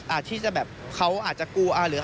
อาจที่จะแบบเขาอาจจะกลัว